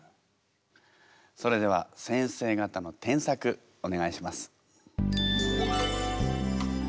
それでは先生方の添削お願いします。